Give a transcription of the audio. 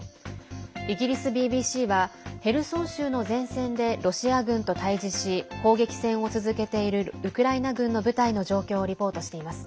イギリスＢＢＣはヘルソン州の前線でロシア軍と対じし砲撃戦を続けているウクライナ軍の部隊の状況をリポートしています。